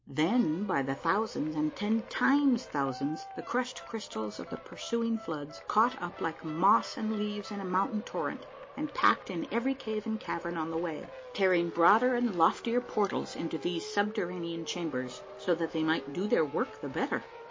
Them by the thousaiuis and ten times thousands the crushed crystals of the pursuing floods caught up like moss and leaves in a mountain torrent and packed in every cave and cavern on the way, tearing broader and loftier portals into these subterranean chambers, so that they might do their work the better